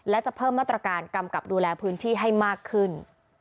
และจะเพิ่มมาตรการกำกับดูแลพื้นที่ให้มากขึ้น